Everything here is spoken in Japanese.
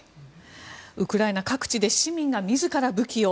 ウクライナ各地で市民が自ら武器を。